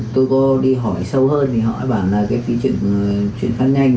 tôi có đi hỏi sâu hơn thì họ đã bảo là cái phí chuyển phát nhanh